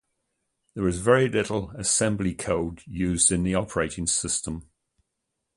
There was very little assembly code used in the operating system.